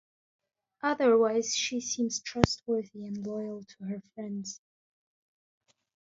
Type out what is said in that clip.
Otherwise she seems trustworthy and loyal to her friends.